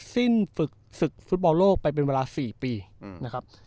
ซื่นฝึกศึกฟู้ดบอลโลกไปเป็นเวลาสี่ปีอืมนะครับ